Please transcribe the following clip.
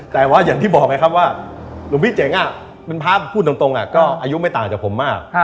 แต่ว่าอย่างที่บอกไงครับว่าหลวงพี่เจ๋งเป็นพระพูดตรงก็อายุไม่ต่างจากผมมาก